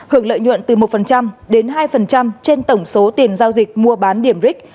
hưởng lợi nhuận từ một đến hai trên tổng số tiền giao dịch mua bán điểm ric